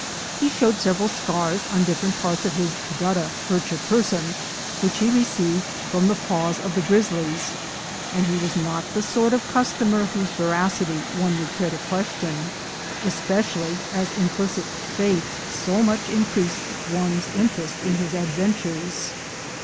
He showed several scars on different parts of his gutta percha person which he received from the paws of the grizzlies, and he was not the sort of customer whose veracity one would care to question, especially as im URSUS HORRIBILIS 177 plicit faith so much increased one's interest in his ad ventures.